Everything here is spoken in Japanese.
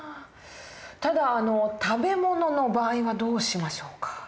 ただ食べ物の場合はどうしましょうか？